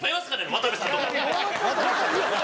渡部さんとか。